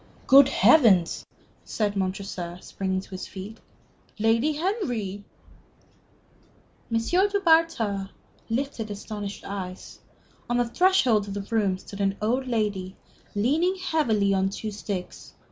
"Good Heavens!" said Montresor, springing to his feet. "Lady Henry!" M. du Bartas lifted astonished eyes. On the threshold of the room stood an old lady, leaning heavily on two sticks.